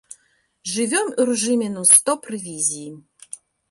Жывём у рэжыме нон-стоп рэвізіі.